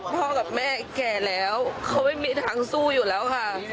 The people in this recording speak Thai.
พ่อกับแม่แก่แล้วเขาไม่มีทางสู้อยู่แล้วค่ะ